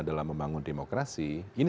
dalam membangun demokrasi ini